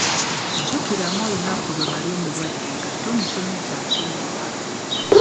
Jjukiramu olunaku lwe wali omulwadde ng'ate omusomesa asomesa!